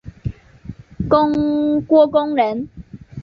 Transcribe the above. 郭躬人。